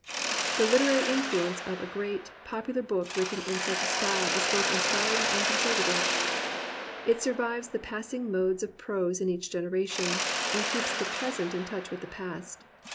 The Uterary influence of a great, popular book written in such a style is both inspiring and con servative. It survives the passing modes of prose 22 THE BOOK OF BOOKS in each generation, and keeps the present in touch with the past.